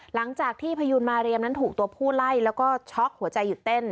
หลังจากที่พยูนมาเรียมนั้นถูกตัวผู้ไล่แล้วก็ช็อกหัวใจหยุดเต้น